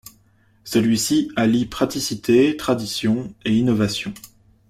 Celui-ci allie praticité, tradition et innovation.